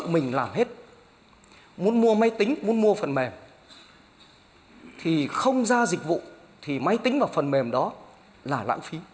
mình làm hết muốn mua máy tính muốn mua phần mềm thì không ra dịch vụ thì máy tính và phần mềm đó là lãng phí